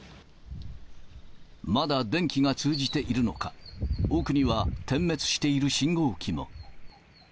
まだ電気が通じているのか、奥には点滅している信号機も。